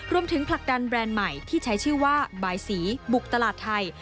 ผลักดันแบรนด์ใหม่ที่ใช้ชื่อว่าบายสีบุกตลาดไทย